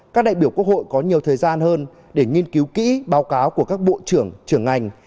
các đại biểu quốc hội có nhiều thời gian hơn để nghiên cứu kỹ báo cáo của các bộ trưởng trưởng ngành